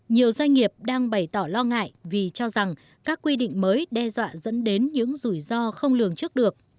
nhiều doanh nghiệp đang bày tỏ lo ngại vì cho rằng các quy định mới đe dọa dẫn đến những rủi ro không lường trước được